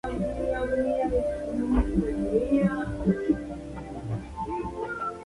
Su nombre se debe en honor a la ciudad de Ávila, España.